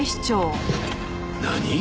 何！？